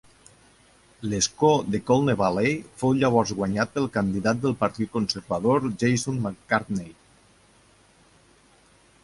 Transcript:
L'escó de Colne Valley fou llavors guanyat pel candidat del partit conservador Jason McCartney.